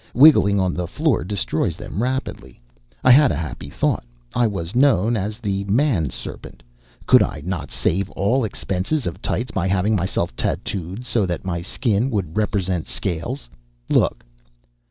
Wiggling on the floor destroys them rapidly. I had a happy thought. I was known as the Man Serpent. Could I not save all expense of tights by having myself tattooed so that my skin would represent scales? Look."